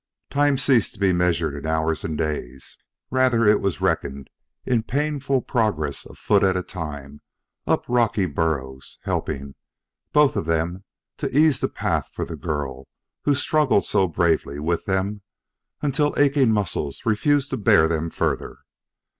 Time ceased to be measured in hours and days; rather was it reckoned in painful progress a foot at a time up rocky burrows, helping, both of them, to ease the path for the girl who struggled so bravely with them, until aching muscles refused to bear them further.